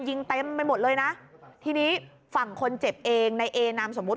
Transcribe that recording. เต็มไปหมดเลยนะทีนี้ฝั่งคนเจ็บเองในเอนามสมมุติ